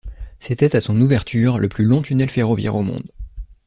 C'était à son ouverture le plus long tunnel ferroviaire au monde.